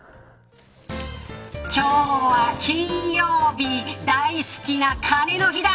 今日は金曜日大好きな金の日だ。